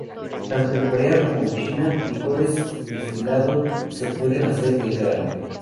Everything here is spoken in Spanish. Tanto en Corea como en China, licores destilado se pueden hacer del grano.